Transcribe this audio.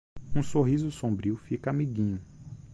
Um sorriso sombrio fica amiguinho.